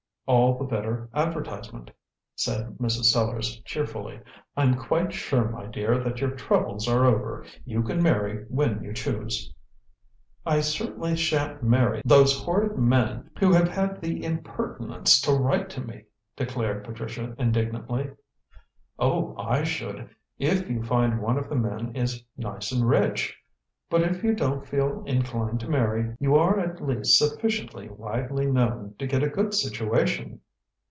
"All the better advertisement," said Mrs. Sellars cheerfully. "I'm quite sure, my dear, that your troubles are over. You can marry when you choose." "I certainly shan't marry those horrid men who have had the impertinence to write to me!" declared Patricia indignantly. "Oh, I should, if you find one of the men is nice and rich. But if you don't feel inclined to marry, you are at least sufficiently widely known to get a good situation."